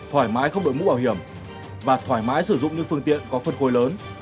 thoải mái không đội mũ bảo hiểm và thoải mái sử dụng những phương tiện có phân khối lớn